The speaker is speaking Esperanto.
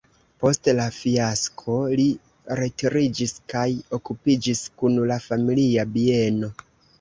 Post la fiasko li retiriĝis kaj okupiĝis kun la familia bieno.